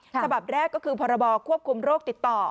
ฉบับแรกก็คือพรบควบคุมโรคติดต่อ